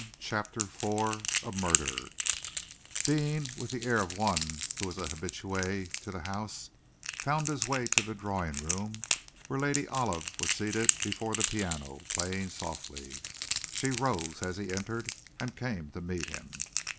CHAPTER IV A MURDER Deane, with the air of one who was an habitué to the house, found his way to the drawing room, where Lady Olive was seated before the piano, playing softly. She rose as he entered, and came to meet him.